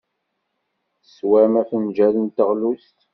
Teswam afenjal n teɣlust.